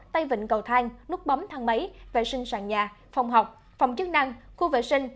tay vịnh cầu thang nút bấm thang máy vệ sinh sàn nhà phòng học phòng chức năng khu vệ sinh